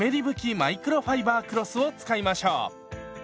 マイクロファイバークロスを使いましょう。